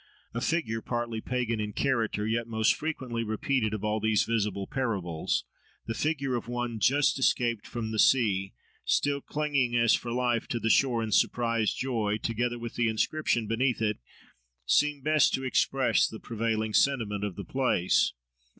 A figure, partly pagan in character, yet most frequently repeated of all these visible parables—the figure of one just escaped from the sea, still clinging as for life to the shore in surprised joy, together with the inscription beneath it, seemed best to express the prevailing sentiment of the place.